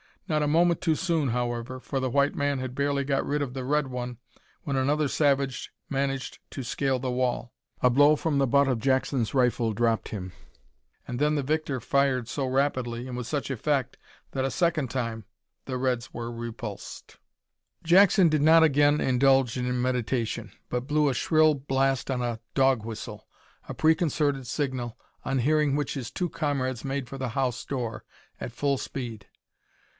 Not a moment too soon, however, for the white man had barely got rid of the red one, when another savage managed to scale the wall. A blow from the butt of Jackson's rifle dropped him, and then the victor fired so rapidly, and with such effect, that a second time the Reds were repulsed. Jackson did not again indulge in meditation, but blew a shrill blast on a dog whistle a preconcerted signal on hearing which his two comrades made for the house door at full speed.